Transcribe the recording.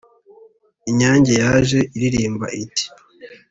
Inyange yaje iririmba iti